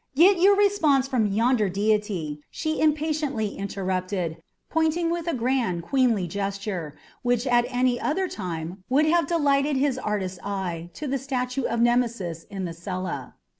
"Get your response from yonder deity!" she impatiently interrupted, pointing with a grand, queenly gesture, which at any other time would have delighted his artist eye, to the statue of Nemesis in the cella.